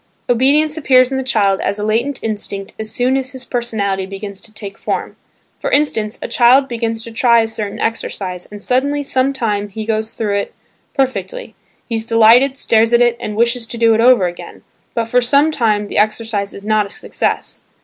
Obedience appears in the child as a latent instinct as soon as his personality begins to take form. For instance, a child begins to try a certain exercise and suddenly some time he goes through it perfectly; he is delighted, stares at it, and wishes to do it over again, but for some time the exercise is not a success.